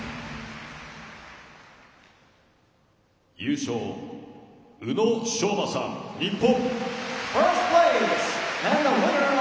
優勝宇野昌磨さん、日本。